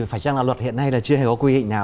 phải chăng là luật hiện nay là chưa hề có quy định nào